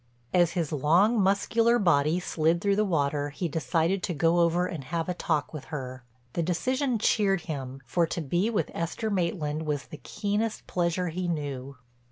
As his long, muscular body slid through the water he decided to go over and have a talk with her. The decision cheered him, for to be with Esther Maitland was the keenest pleasure he knew.